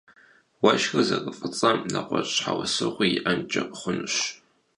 Уэшхыр зэрыфӀыцӀэм нэгъуэщӀ щхьэусыгъуи иӀэнкӀэ хъунущ.